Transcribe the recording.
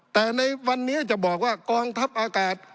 แต่ในวันนี้จะบอกว่ากองทัพอากาศ